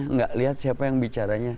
nggak lihat siapa yang bicaranya